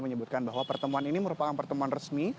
menyebutkan bahwa pertemuan ini merupakan pertemuan resmi